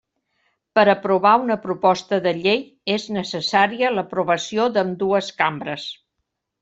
Per aprovar una proposta de llei, és necessària l'aprovació d'ambdues cambres.